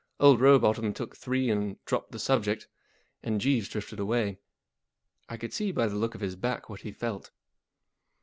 Old Rowbotham took three and dropped the subject, and Jeeves drifted away. I could see by the look of his back what he felt.